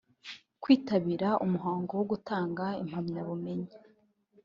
Kwitabira umuhango wo gutanga impamyabumenyi